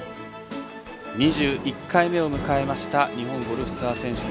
２１回目を迎えました日本ゴルフツアー選手権。